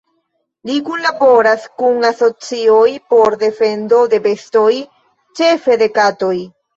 Li kunlaboras kun asocioj por defendo de bestoj, ĉefe de katoj.